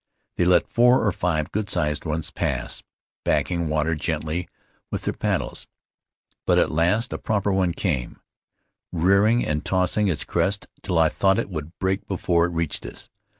They let four or five good sized ones pass, backing water gently with their paddles; but at last a proper one came, rearing and tossing its crest till I thought it would break before it reached us.